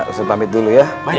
ustaz pamit dulu ya